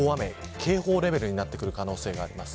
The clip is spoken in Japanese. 警報レベルになる可能性があります。